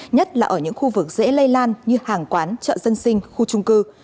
nhất là ở những khu vực dễ lây lan như hàng quán chợ dân sinh khu trung cư